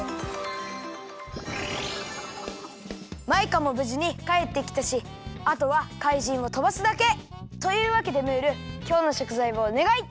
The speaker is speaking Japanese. マイカもぶじにかえってきたしあとは怪人をとばすだけ！というわけでムールきょうのしょくざいをおねがい！